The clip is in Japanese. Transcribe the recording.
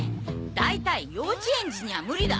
大体幼稚園児には無理だ。